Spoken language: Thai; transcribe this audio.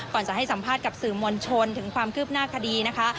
ก่อนจะให้สัมภาษณ์กับสื่อมวลชนถึงความคืบหน้าคดีนะคะ